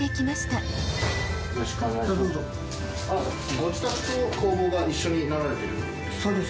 ご自宅とどうぞ工房が一緒になられてるそうです